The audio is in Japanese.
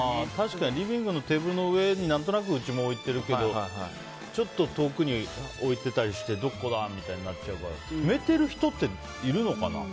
リビングのテーブルの上に何となく、うちも置いてるけどちょっと遠くに置いてたりしてどこだみたいになっちゃうから決めてる人っているのかな？